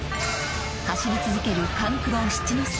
走り続ける勘九郎、七之助。